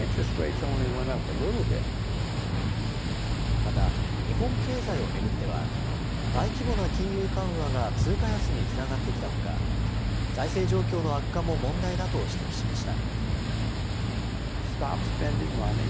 また、日本経済を巡っては、大規模な金融緩和が通貨安につながってきたほか、財政状況の悪化も問題だと指摘しました。